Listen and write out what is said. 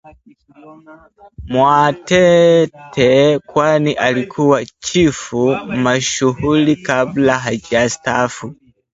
Mwatate kwani alikuwa Chifu mashuhuri kabla hajastaafu